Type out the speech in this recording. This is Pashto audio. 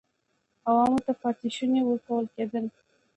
عوام ته پاتې شوني ورکول کېدل.